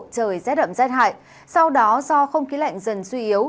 trời rét ẩm rét hại sau đó do không khí lạnh dần suy yếu